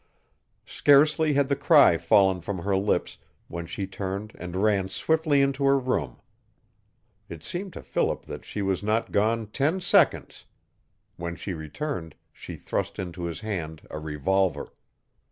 Scarcely had the cry fallen from her lips when she turned and ran swiftly into her room. It seemed to Philip that she was not gone ten seconds. When she returned she thrust into his hand a revolver.